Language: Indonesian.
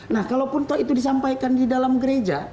nah kalaupun toh itu disampaikan di dalam gereja